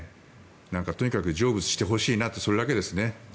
とにかく成仏してほしいなってそれだけですね。